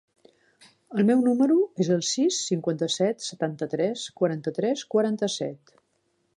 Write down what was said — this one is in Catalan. El meu número es el sis, cinquanta-set, setanta-tres, quaranta-tres, quaranta-set.